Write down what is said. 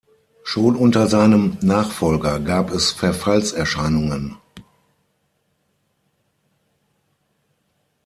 Schon unter seinem Nachfolger gab es Verfallserscheinungen.